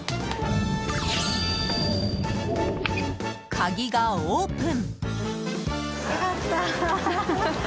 鍵がオープン。